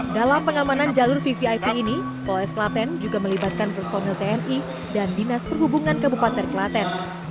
dalam pengamanan jalur vvip ini polres klaten juga melibatkan personil tni dan dinas perhubungan kabupaten klaten